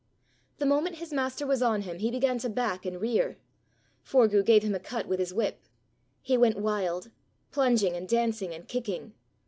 The moment his master was on him, he began to back and rear. Forgue gave him a cut with his whip. He went wild, plunging and dancing and kicking.